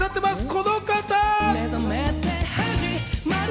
この方。